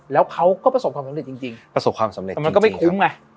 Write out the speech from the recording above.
แล้วเขาก็ประสบความสำเร็จจริงประสบความสำเร็จแต่มันก็ไม่คุ้มไง